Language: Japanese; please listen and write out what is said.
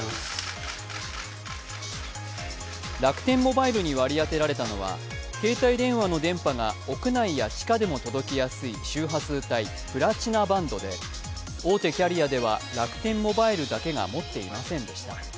楽天モバイルに割り当てられたのは携帯電話の電波が屋内や地下でも届きやすい周波数帯プラチナバンドで、大手キャリアでは楽天モバイルだけが持っていませんでした。